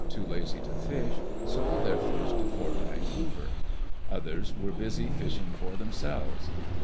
too lazy to fish sold their fish to Fort Vancouver; others were busy fishing for themselves.